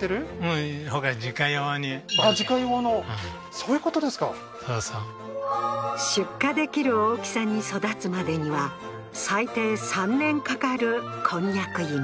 そういうことですかそうそう出荷できる大きさに育つまでには最低３年かかるコンニャク芋